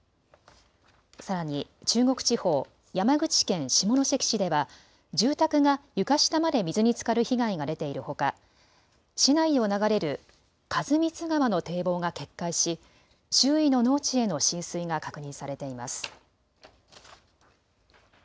さらに中国地方山口県下関市では住宅が床下まで水につかる被害が出ているほか市内を流れる員光川の堤防が決壊し周囲の農地への浸水が確認されています。